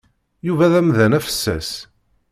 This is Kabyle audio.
Yuba d amdan afessas.